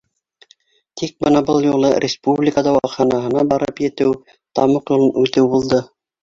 Тик бына был юлы республика дауаханаһына барып етеү тамуҡ юлын үтеү булды.